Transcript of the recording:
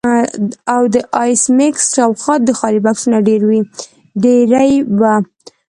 او د ایس میکس شاوخوا د خالي بکسونو ډیرۍ وه